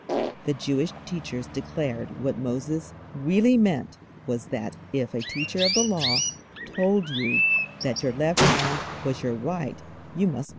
_' The Jewish teachers declared what Moses really meant was that if a teacher of the Law told you that your left hand was your right you must believe him!